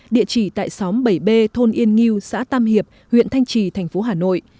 địa chỉ tại xóm bảy b thôn yên nghiêu xã tam hiệp huyện thanh trì thành phố hà nội